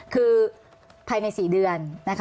คือภายใน๔เดือนนะคะ